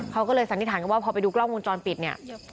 เขาก็เลยสันนิษฐานกันว่าพอไปดูกล้องวงจรปิดเนี่ย